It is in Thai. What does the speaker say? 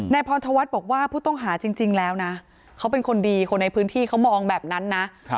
พรธวัฒน์บอกว่าผู้ต้องหาจริงแล้วนะเขาเป็นคนดีคนในพื้นที่เขามองแบบนั้นนะ